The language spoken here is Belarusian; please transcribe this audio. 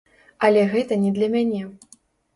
Але гэта не для мяне.